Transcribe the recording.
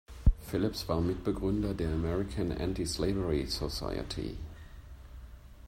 Phillips war Mitbegründer der American Anti-Slavery Society.